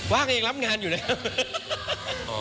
วากอย่างรับงานอยู่นะครับ